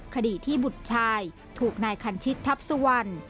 คดีที่บุตรชายถูกนายคันชิตทัพสุวรรณ